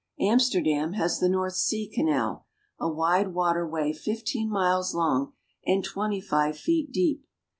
Amsterdam has the North Sea Canal, a wide water way fifteen miles long and twenty five feet deep.